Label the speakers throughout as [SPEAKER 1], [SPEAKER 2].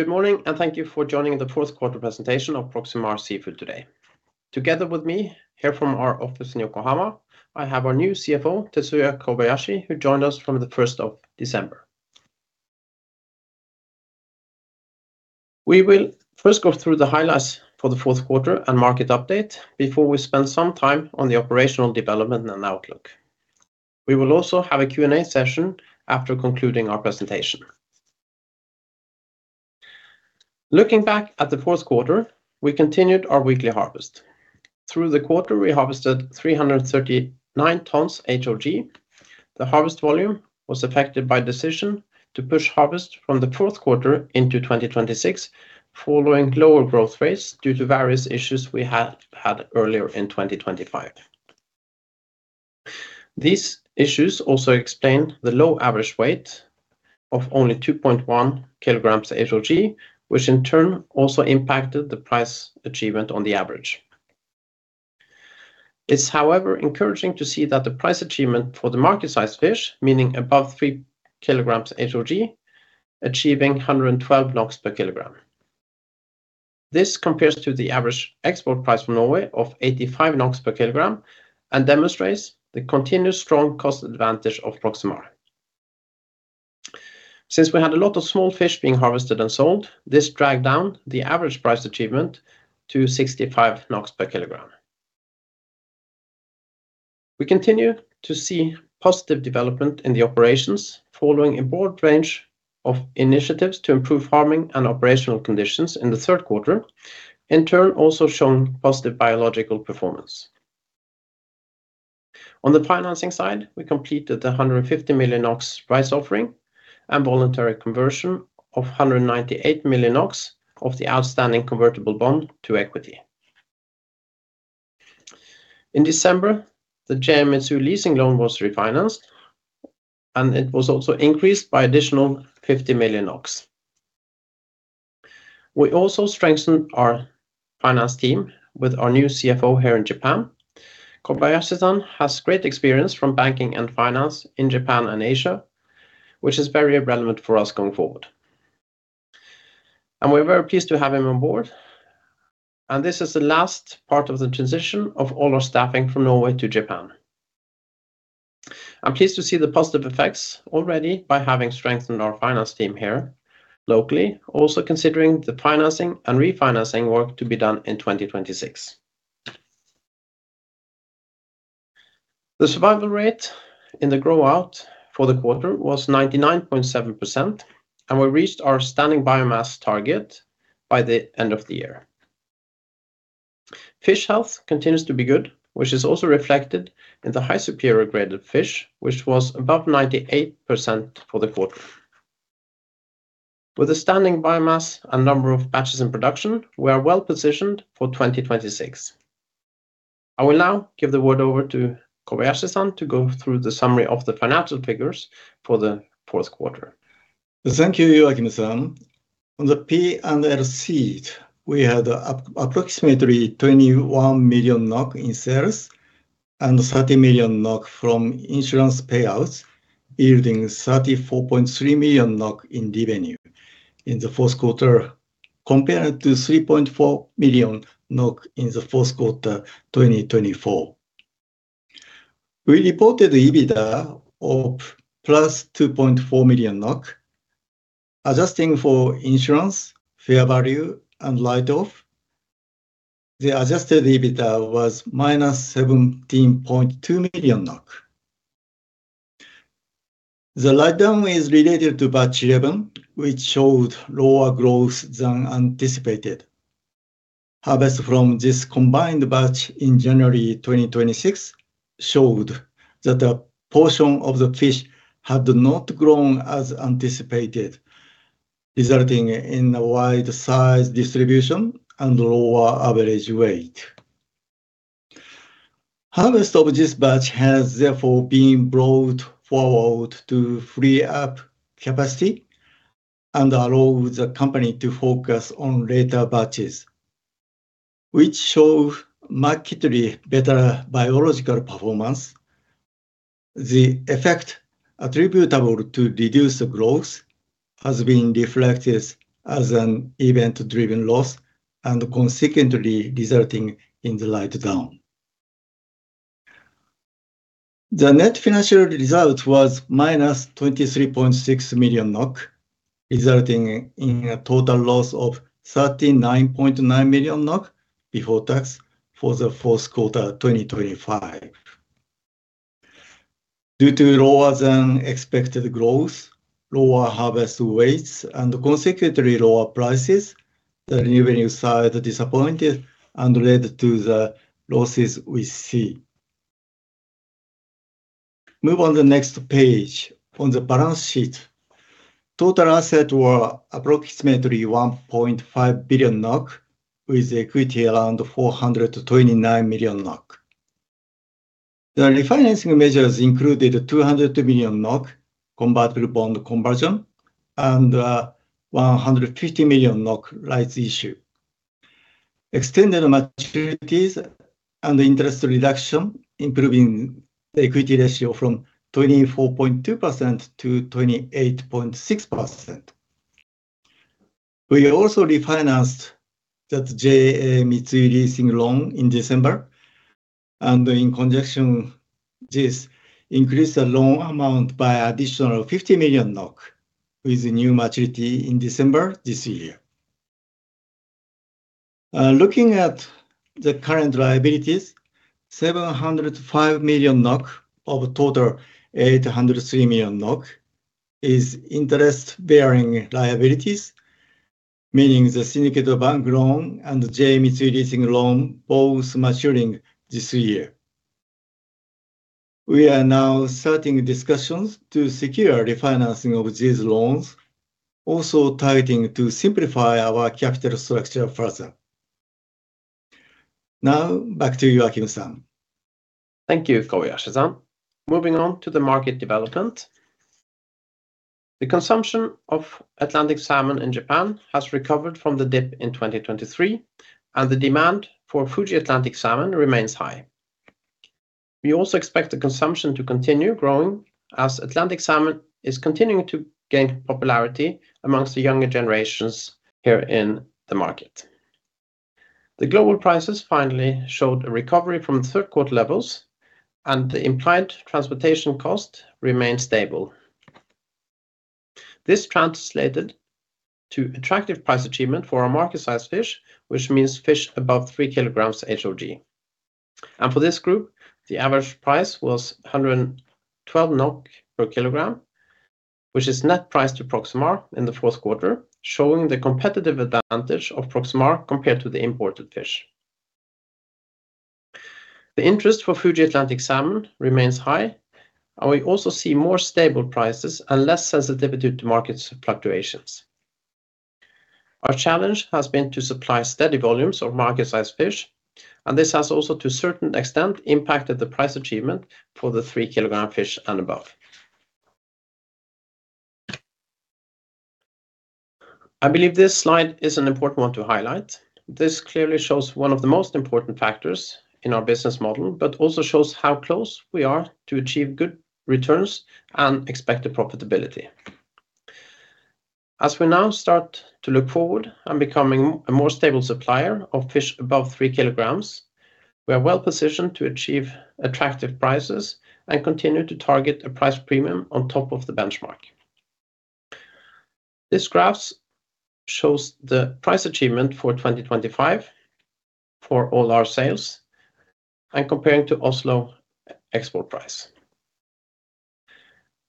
[SPEAKER 1] Good morning, thank you for joining the fourth quarter presentation of Proximar Seafood today. Together with me, here from our office in Yokohama, I have our new CFO, Tetsuya Kobayashi, who joined us from the first of December. We will first go through the highlights for the fourth quarter and market update before we spend some time on the operational development and outlook. We will also have a Q&A session after concluding our presentation. Looking back at the fourth quarter, we continued our weekly harvest. Through the quarter, we harvested 339 tons HOG. The harvest volume was affected by decision to push harvest from the fourth quarter into 2026, following lower growth rates due to various issues we had earlier in 2025. These issues also explain the low average weight of only 2.1 kg HOG, which in turn also impacted the price achievement on the average. It's, however, encouraging to see that the price achievement for the market size fish, meaning above three kg HOG, achieving 112 NOK per kilogram. This compares to the average export price from Norway of 85 NOK per kilogram and demonstrates the continuous strong cost advantage of Proximar. Since we had a lot of small fish being harvested and sold, this dragged down the average price achievement to 65 NOK per kilogram. We continue to see positive development in the operations following a broad range of initiatives to improve farming and operational conditions in the third quarter, in turn, also showing positive biological performance. On the financing side, we completed the 150 million price offering and voluntary conversion of 198 million of the outstanding convertible bond to equity. In December, the JA Mitsui Leasing loan was refinanced, and it was also increased by additional 50 million. We also strengthened our finance team with our new CFO here in Japan. Kobayashi-san has great experience from banking and finance in Japan and Asia, which is very relevant for us going forward, and we're very pleased to have him on board. This is the last part of the transition of all our staffing from Norway to Japan. I'm pleased to see the positive effects already by having strengthened our finance team here locally, also considering the financing and refinancing work to be done in 2026. The survival rate in the grow-out for the quarter was 99.7%, and we reached our standing biomass target by the end of the year. Fish health continues to be good, which is also reflected in the high superior graded fish, which was above 98% for the quarter. With a standing biomass and number of batches in production, we are well positioned for 2026. I will now give the word over to Kobayashi-san to go through the summary of the financial figures for the fourth quarter.
[SPEAKER 2] Thank you, Joachim-san. On the P&L sheet, we had approximately 21 million NOK in sales and 30 million NOK from insurance payouts, yielding 34.3 million NOK in revenue in the fourth quarter, compared to 3.4 million NOK in the fourth quarter, 2024. We reported EBITDA of +2.4 million NOK. Adjusting for insurance, fair value, and write-off, the adjusted EBITDA was -17.2 million NOK. The write-down is related to batch eleven, which showed lower growth than anticipated. Harvest from this combined batch in January 2026 showed that a portion of the fish had not grown as anticipated, resulting in a wide size distribution and lower average weight. Harvest of this batch has therefore been brought forward to free up capacity and allow the company to focus on later batches, which show markedly better biological performance. The effect attributable to reduced growth has been reflected as an event-driven loss and consequently resulting in the write-down. The net financial result was minus 23.6 million NOK, resulting in a total loss of 39.9 million NOK before tax for the fourth quarter 2025. Due to lower-than-expected growth, lower harvest weights, and consequently lower prices, the revenue side disappointed and led to the losses we see. Move on the next page. On the balance sheet, total assets were approximately 1.5 billion NOK, with equity around 429 million NOK. The refinancing measures included 200 million NOK convertible bond conversion and 150 million NOK rights issue. Extended maturities and interest reduction, improving the equity ratio from 24.2%-28.6%. We also refinanced that JA Mitsui Leasing loan in December. In conjunction, this increased the loan amount by additional 50 million NOK, with a new maturity in December this year. Looking at the current liabilities, 705 million NOK of total 803 million NOK is interest-bearing liabilities, meaning the syndicated bank loan and JA Mitsui Leasing loan both maturing this year. We are now starting discussions to secure refinancing of these loans, also targeting to simplify our capital structure further. Back to you, Joachim-san.
[SPEAKER 1] Thank you, Kobayashi-san. Moving on to the market development. The consumption of Atlantic salmon in Japan has recovered from the dip in 2023, and the demand for Fuji Atlantic Salmon remains high. We also expect the consumption to continue growing, as Atlantic salmon is continuing to gain popularity amongst the younger generations here in the market. The global prices finally showed a recovery from third quarter levels, and the implied transportation cost remained stable. This translated to attractive price achievement for our market size fish, which means fish above three kg HOG. For this group, the average price was 112 NOK per kilogram, which is net price to Proximar in the fourth quarter, showing the competitive advantage of Proximar compared to the imported fish. The interest for Fuji Atlantic Salmon remains high, and we also see more stable prices and less sensitivity to market fluctuations. Our challenge has been to supply steady volumes of market-size fish, and this has also, to a certain extent, impacted the price achievement for the three-kilogram fish and above. I believe this slide is an important one to highlight. This clearly shows one of the most important factors in our business model, but also shows how close we are to achieve good returns and expected profitability. As we now start to look forward and becoming a more stable supplier of fish above three kg, we are well positioned to achieve attractive prices and continue to target a price premium on top of the benchmark. This graphs shows the price achievement for 2025 for all our sales and comparing to Oslo export price.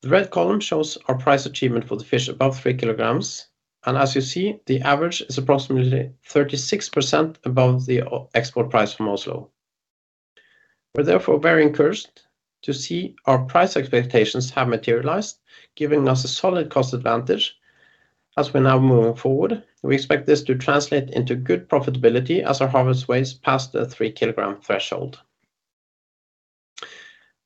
[SPEAKER 1] The red column shows our price achievement for the fish above three kg. As you see, the average is approximately 36% above the export price from Oslo. We're therefore very encouraged to see our price expectations have materialized, giving us a solid cost advantage as we're now moving forward. We expect this to translate into good profitability as our harvest weighs past the three-kilogram threshold.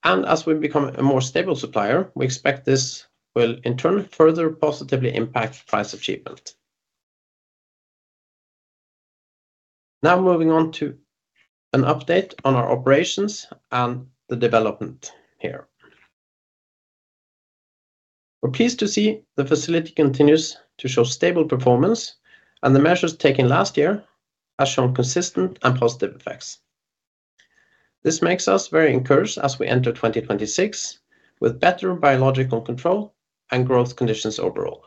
[SPEAKER 1] As we become a more stable supplier, we expect this will, in turn, further positively impact price achievement. Moving on to an update on our operations and the development here. We're pleased to see the facility continues to show stable performance. The measures taken last year have shown consistent and positive effects. This makes us very encouraged as we enter 2026 with better biological control and growth conditions overall.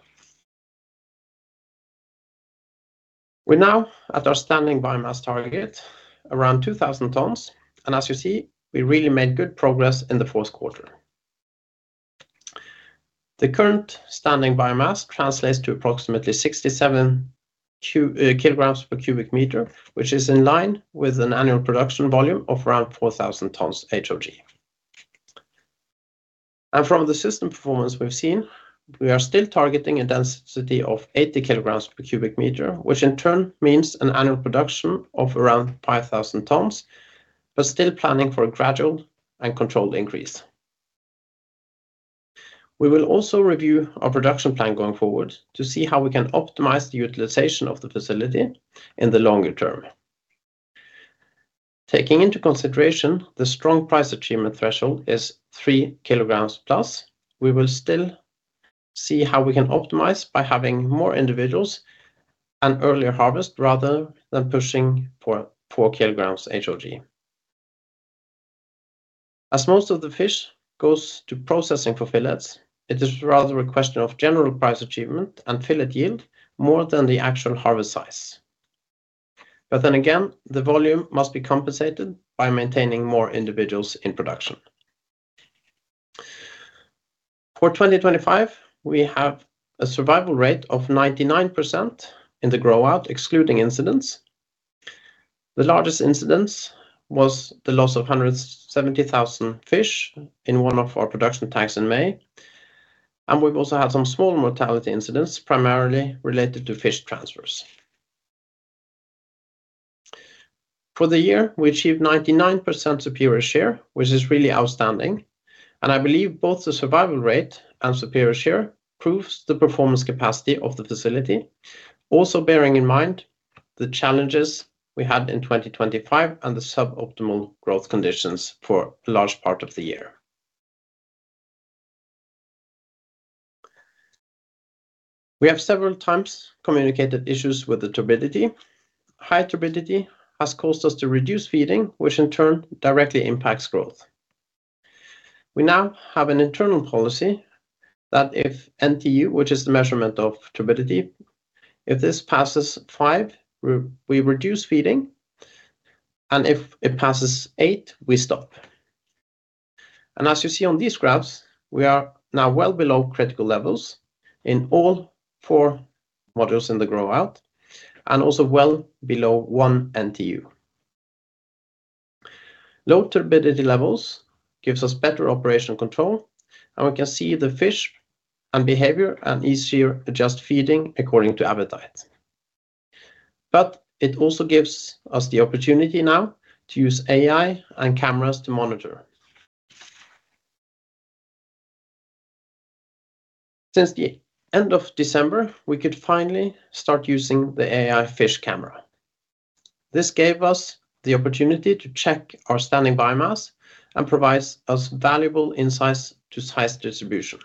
[SPEAKER 1] We're now at our standing biomass target, around 2,000 tons. As you see, we really made good progress in the fourth quarter. The current standing biomass translates to approximately 67 kg per cubic meter, which is in line with an annual production volume of around 4,000 tons HOG. From the system performance we've seen, we are still targeting a density of 80 kg per cubic meter, which in turn means an annual production of around 5,000 tons, but still planning for a gradual and controlled increase. We will also review our production plan going forward to see how we can optimize the utilization of the facility in the longer term. Taking into consideration, the strong price achievement threshold is three kg plus, we will still see how we can optimize by having more individuals and earlier harvest, rather than pushing for four kg HOG. As most of the fish goes to processing for fillets, it is rather a question of general price achievement and fillet yield more than the actual harvest size. The volume must be compensated by maintaining more individuals in production. For 2025, we have a survival rate of 99% in the growout, excluding incidents. The largest incidents was the loss of 170,000 fish in one of our production tanks in May. We've also had some small mortality incidents, primarily related to fish transfers. For the year, we achieved 99% superior share, which is really outstanding. I believe both the survival rate and superior share proves the performance capacity of the facility. Bearing in mind the challenges we had in 2025 and the suboptimal growth conditions for a large part of the year. We have several times communicated issues with the turbidity. High turbidity has caused us to reduce feeding, which in turn directly impacts growth. We now have an internal policy that if NTU, which is the measurement of turbidity, if this passes five, we reduce feeding. If it passes eight, we stop. As you see on these graphs, we are now well below critical levels in all four modules in the grow-out and also well below one NTU. Low turbidity levels gives us better operational control, and we can see the fish and behavior and easier adjust feeding according to appetite. It also gives us the opportunity now to use AI and cameras to monitor. Since the end of December, we could finally start using the AI fish camera. This gave us the opportunity to check our standing biomass and provides us valuable insights to size distribution.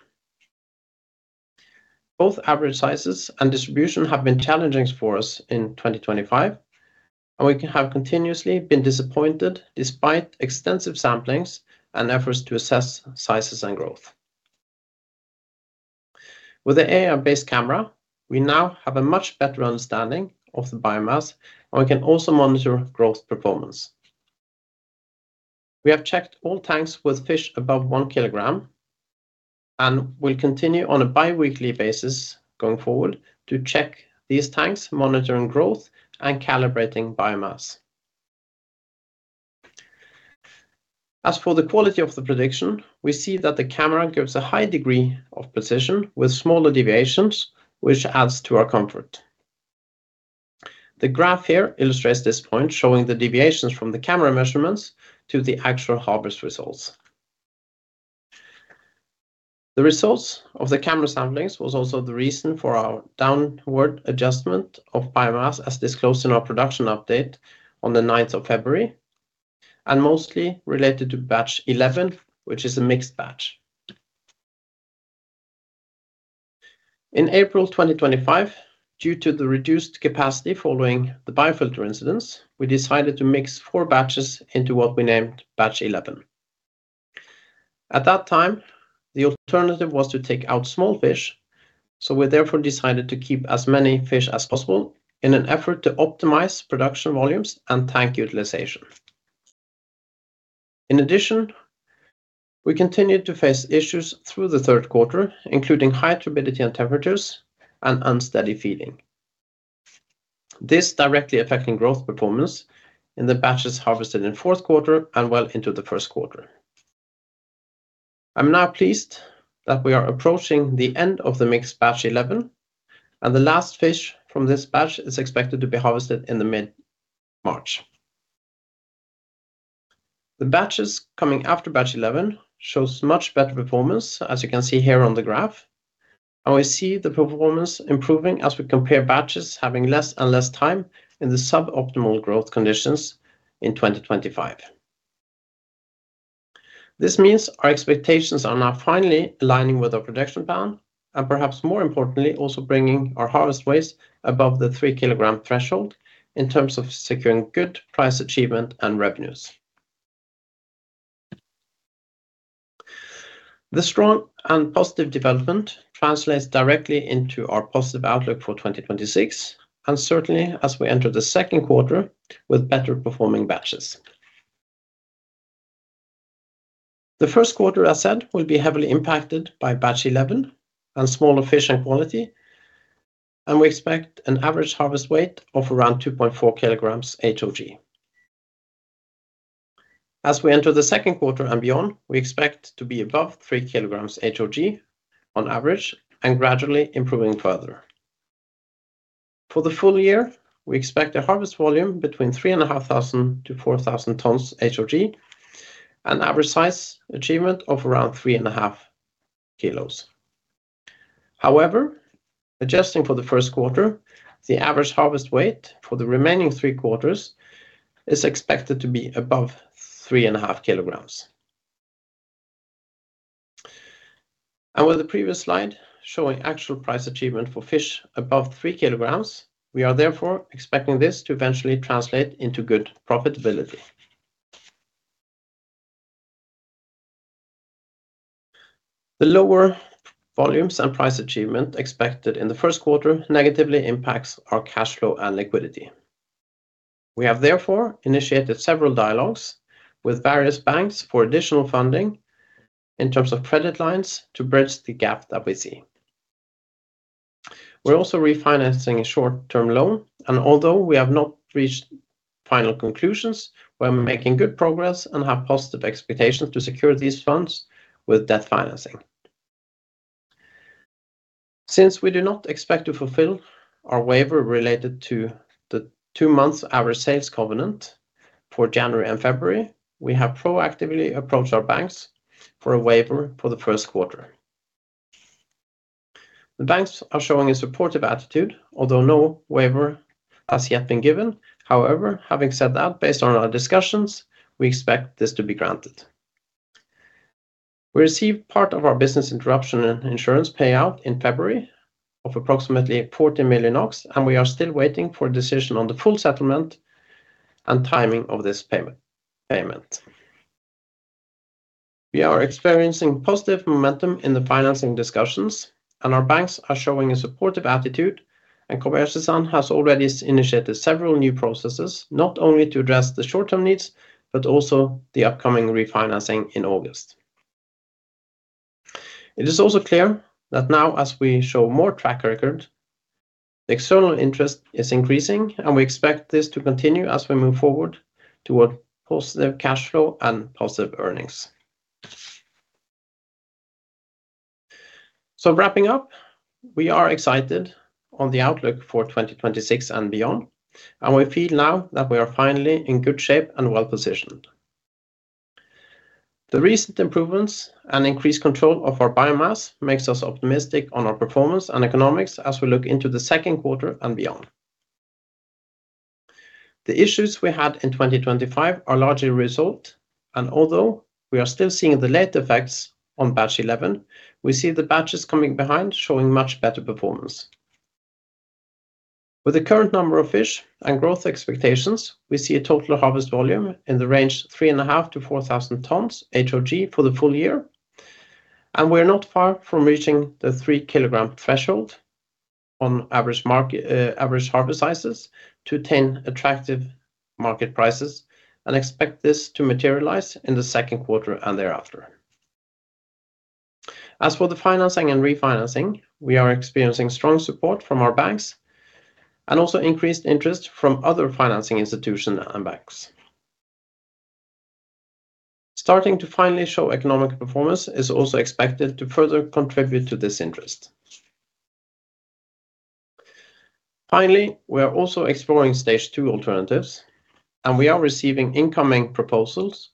[SPEAKER 1] Both average sizes and distribution have been challenging for us in 2025, and we have continuously been disappointed despite extensive samplings and efforts to assess sizes and growth. With the AI-based camera, we now have a much better understanding of the biomass, and we can also monitor growth performance. We have checked all tanks with fish above one kilogram, and we continue on a biweekly basis going forward to check these tanks, monitoring growth and calibrating biomass. As for the quality of the prediction, we see that the camera gives a high degree of precision with smaller deviations, which adds to our comfort. The graph here illustrates this point, showing the deviations from the camera measurements to the actual harvest results. The results of the camera samplings was also the reason for our downward adjustment of biomass, as disclosed in our production update on the ninth of February, and mostly related to batch eleven, which is a mixed batch. In April 2025, due to the reduced capacity following the biofilter incidents, we decided to mix four batches into what we named batch eleven. At that time, the alternative was to take out small fish, so we therefore decided to keep as many fish as possible in an effort to optimize production volumes and tank utilization. In addition, we continued to face issues through the third quarter, including high turbidity and temperatures and unsteady feeding. This directly affecting growth performance in the batches harvested in fourth quarter and well into the first quarter. I'm now pleased that we are approaching the end of the mixed batch eleven, and the last fish from this batch is expected to be harvested in the mid-March. The batches coming after batch eleven shows much better performance, as you can see here on the graph, and we see the performance improving as we compare batches having less and less time in the suboptimal growth conditions in 2025. This means our expectations are now finally aligning with our production plan, and perhaps more importantly, also bringing our harvest waste above the three-kilogram threshold in terms of securing good price achievement and revenues. The strong and positive development translates directly into our positive outlook for 2026, and certainly as we enter the 2nd quarter with better performing batches. The 1st quarter, as said, will be heavily impacted by batch eleven and smaller fish and quality, and we expect an average harvest weight of around 2.4 kg HOG. As we enter the 2nd quarter and beyond, we expect to be above three kg HOG on average and gradually improving further. For the full year, we expect a harvest volume between 3,500-4,000 tons HOG, an average size achievement of around 3.5 kilos. However, adjusting for the first quarter, the average harvest weight for the remaining three quarters is expected to be above 3.5 kg. With the previous slide showing actual price achievement for fish above three kg, we are therefore expecting this to eventually translate into good profitability. The lower volumes and price achievement expected in the first quarter negatively impacts our cash flow and liquidity. We have therefore initiated several dialogues with various banks for additional funding in terms of credit lines to bridge the gap that we see. We're also refinancing a short-term loan, and although we have not reached final conclusions, we're making good progress and have positive expectations to secure these funds with debt financing.... Since we do not expect to fulfill our waiver related to the two months average sales covenant for January and February, we have proactively approached our banks for a waiver for the first quarter. The banks are showing a supportive attitude, although no waiver has yet been given. However, having said that, based on our discussions, we expect this to be granted. We received part of our business interruption and insurance payout in February of approximately 40 million, and we are still waiting for a decision on the full settlement and timing of this payment. We are experiencing positive momentum in the financing discussions, and our banks are showing a supportive attitude, and Kobayashi-san has already initiated several new processes, not only to address the short-term needs, but also the upcoming refinancing in August. It is also clear that now, as we show more track record, the external interest is increasing, and we expect this to continue as we move forward toward positive cash flow and positive earnings. Wrapping up, we are excited on the outlook for 2026 and beyond, and we feel now that we are finally in good shape and well-positioned. The recent improvements and increased control of our biomass makes us optimistic on our performance and economics as we look into the second quarter and beyond. The issues we had in 2025 are largely resolved, and although we are still seeing the late effects on batch eleven, we see the batches coming behind, showing much better performance. With the current number of fish and growth expectations, we see a total harvest volume in the range 3,500-4,000 tons HOG for the full year. We're not far from reaching the three-kilogram threshold on average market, average harvest sizes to ten attractive market prices and expect this to materialize in the second quarter and thereafter. As for the financing and refinancing, we are experiencing strong support from our banks and also increased interest from other financing institutions and banks. Starting to finally show economic performance is also expected to further contribute to this interest. Finally, we are also exploring Stage two alternatives. We are receiving incoming proposals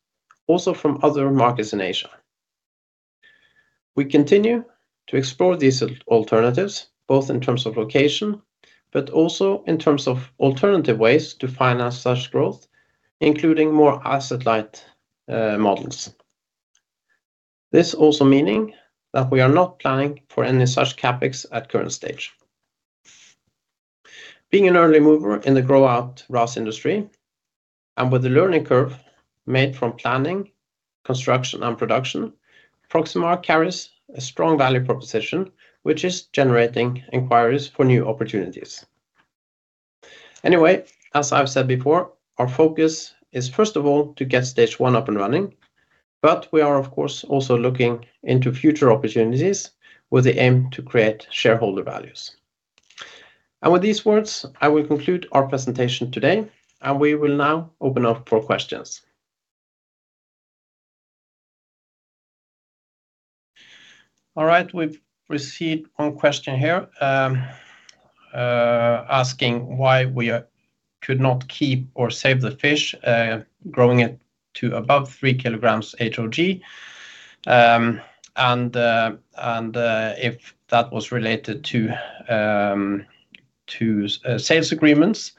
[SPEAKER 1] also from other markets in Asia. We continue to explore these alternatives, both in terms of location, but also in terms of alternative ways to finance such growth, including more asset-light models. This also meaning that we are not planning for any such CapEx at current stage. Being an early mover in the grow-out RAS industry and with the learning curve made from planning, construction, and production, Proximar carries a strong value proposition, which is generating inquiries for new opportunities. As I've said before, our focus is first of all, to get Stage one up and running, but we are of course, also looking into future opportunities with the aim to create shareholder values. With these words, I will conclude our presentation today, and we will now open up for questions. All right, we've received one question here, asking why we could not keep or save the fish, growing it to above three kg HOG. If that was related to sales agreements.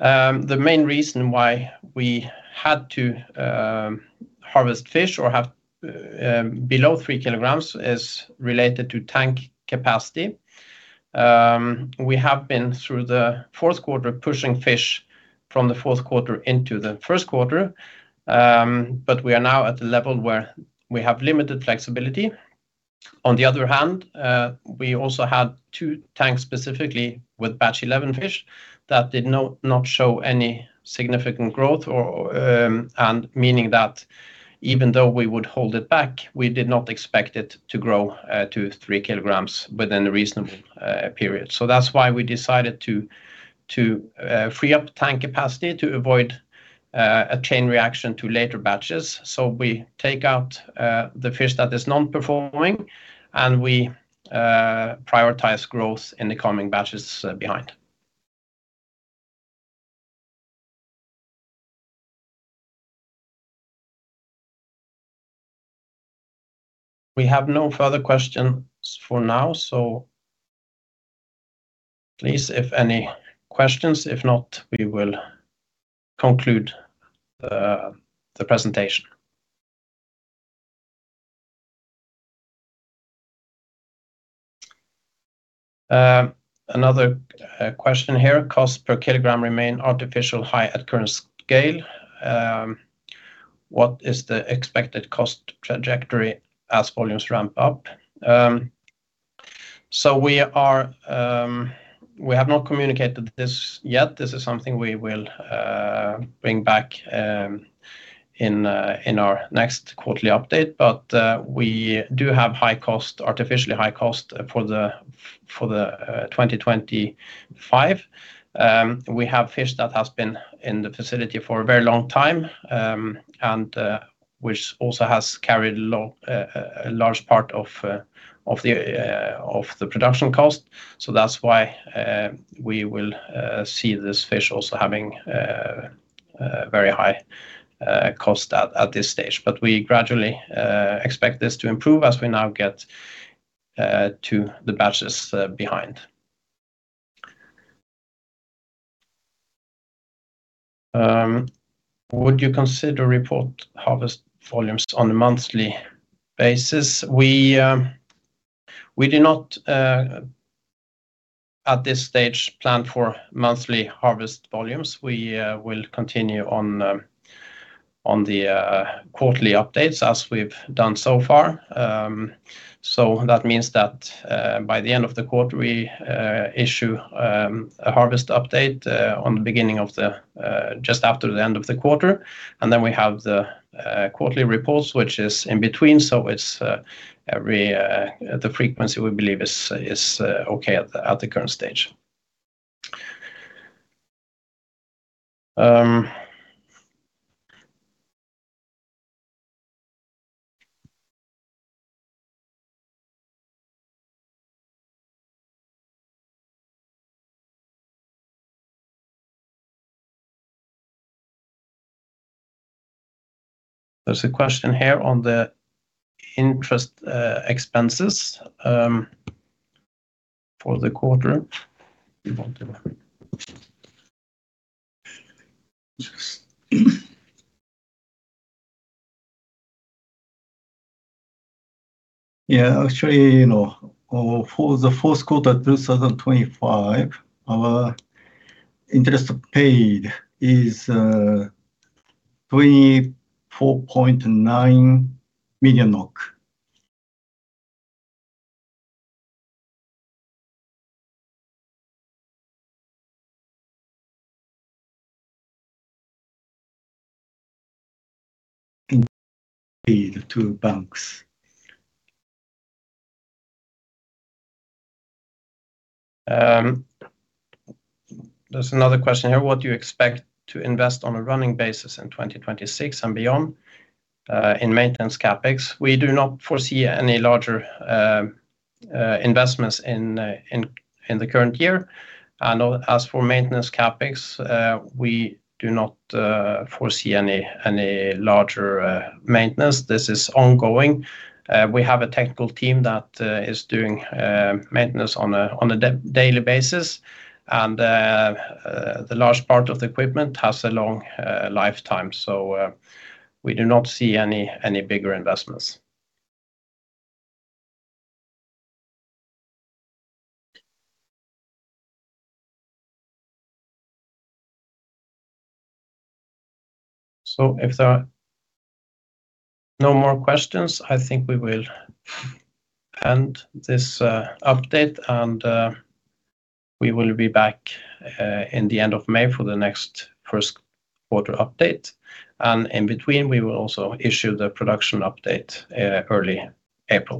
[SPEAKER 1] The main reason why we had to harvest fish or have below three kg is related to tank capacity. We have been through the fourth quarter, pushing fish from the fourth quarter into the first quarter, but we are now at the level where we have limited flexibility. We also had two tanks, specifically with batch eleven fish, that did not show any significant growth or, and meaning that even though we would hold it back, we did not expect it to grow to three kg within a reasonable period. That's why we decided to free up tank capacity to avoid a chain reaction to later batches. We take out the fish that is non-performing, and we prioritize growth in the coming batches behind. We have no further questions for now, please, if any questions, if not, we will conclude the presentation. Another question here, "Costs per kilogram remain artificially high at current scale. What is the expected cost trajectory as volumes ramp up?" We are, we have not communicated this yet. This is something we will bring back in our next quarterly update, we do have high cost, artificially high cost for the 2025. We have fish that has been in the facility for a very long time, which also has carried a large part of the production cost. That's why we will see this fish also having very high cost at this stage. We gradually expect this to improve as we now get to the batches behind. Would you consider report harvest volumes on a monthly basis? We do not at this stage plan for monthly harvest volumes. We will continue on on the quarterly updates as we've done so far. That means that by the end of the quarter, we issue a harvest update just after the end of the quarter, and then we have the quarterly reports, which is in between. It's every the frequency we believe is okay at the current stage. There's a question here on the interest expenses for the quarter.
[SPEAKER 2] Yeah, actually, you know, for the fourth quarter 2025, our interest paid is NOK 34.9 million. Interest paid to banks.
[SPEAKER 1] There's another question here: What do you expect to invest on a running basis in 2026 and beyond, in maintenance CapEx. We do not foresee any larger investments in the current year. As for maintenance CapEx, we do not foresee any larger maintenance. This is ongoing. We have a technical team that is doing maintenance on a daily basis, and the large part of the equipment has a long lifetime. So we do not see any bigger investments. If there are no more questions, I think we will end this update, and we will be back in the end of May for the next first quarter update. In between, we will also issue the production update early April.